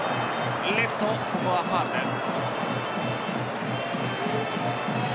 レフト、ここはファウルです。